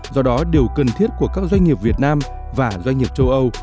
do đó điều cần thiết của các doanh nghiệp việt nam và doanh nghiệp châu âu